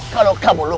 kalau kamu lupa